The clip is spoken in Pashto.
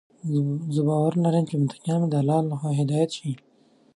زه باور لرم چې متقیان به د الله لخوا هدايت شي.